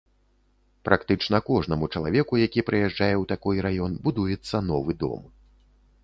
Практычна кожнаму чалавеку, які прыязджае ў такой раён, будуецца новы дом.